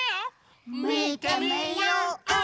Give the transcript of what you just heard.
みてみよう！